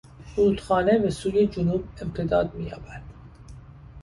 رودخانه به سوی جنوب امتداد مییابد.